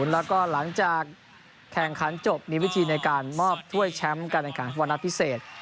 แล้วก็หลังจากแข่งขันจบมีวิธีในการมอบถ้วยแชมป์การแข่งขันฟุตบอลนัดพิเศษ